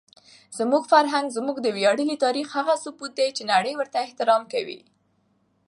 زموږ فرهنګ زموږ د ویاړلي تاریخ هغه ثبوت دی چې نړۍ ورته احترام کوي.